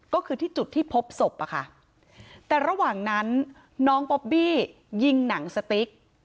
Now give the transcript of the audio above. ก็คือที่จุดที่พบศพอะค่ะแต่ระหว่างนั้นน้องป๊อบบี้ยิงหนังสติ๊ก